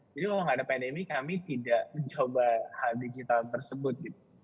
jadi kalau gak ada pandemi kami tidak mencoba hal digital tersebut